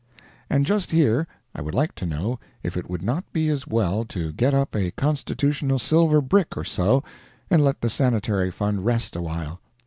And just here I would like to know if it would not be as well to get up a constitutional silver brick or so, and let the Sanitary fund rest a while.